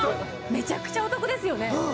めちゃくちゃお得ですよね